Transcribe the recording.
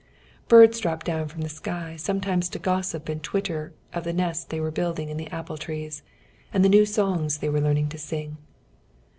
Birds dropped down from the sky sometimes to gossip and twitter of the nests they were building in the apple trees, and the new songs they were learning to sing.